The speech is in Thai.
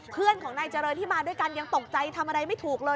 เพื่อนของนายเจริญที่มาด้วยกันยังตกใจทำอะไรไม่ถูกเลย